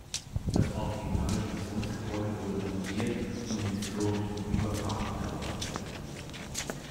Das originale Stationsgebäude wurde renoviert und im historischen Weaver Park wieder aufgestellt.